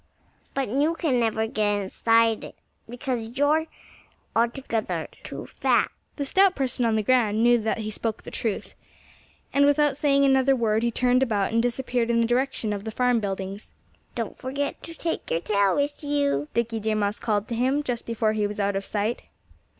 But you can never get inside it, because you're altogether too fat." The stout person on the ground knew that he spoke the truth. And without saying another word he turned about and disappeared in the direction of the farm buildings. "Don't forget to take your tail with you!" Dickie Deer Mouse called to him, just before he was out of sight.